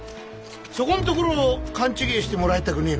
そこんところを勘違えしてもらいたくねえな。